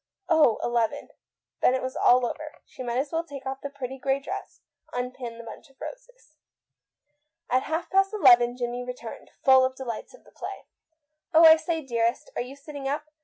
Oh, eleven ! Then it was all over. She might as well take of the pretty grey dress, unpin the bunch of roses. At half past eleven Jimmie returned, full of the delights of the play. "Oh, I say, dearest, are you sitting up?